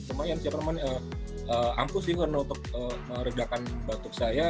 lumayan siapa ampuh sih karena untuk meredakan batuk saya